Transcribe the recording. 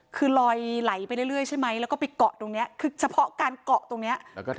คือลอยไหลไปเรื่อยใช่ไหมแล้วก็ไปเกาะตรงนี้คือเฉพาะการเกาะตรงนี้